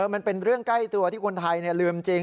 มันเป็นเรื่องใกล้ตัวที่คนไทยลืมจริง